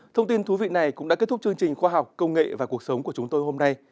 thông tin thú vị này cũng đã kết thúc chương trình khoa học công nghệ và cuộc sống của chúng tôi hôm nay